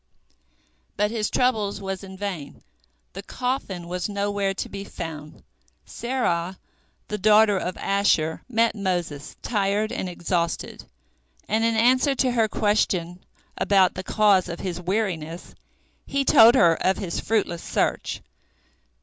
But his trouble was in vain; the coffin was nowhere to be found. Serah, the daughter of Asher, met Moses, tired and exhausted, and in answer to her question about the cause of his weariness, he told her of his fruitless search.